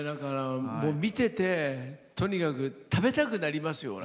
見ててとにかく食べたくなりますよね。